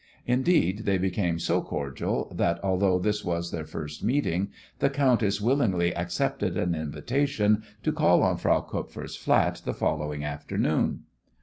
Indeed, they became so cordial that, although this was their first meeting, the countess willingly accepted an invitation to call at Frau Kupfer's flat the following afternoon.